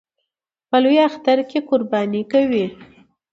په لوی اختر کې قرباني کوي